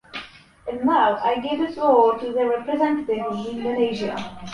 And now I give the floor to the representative of Indonesia.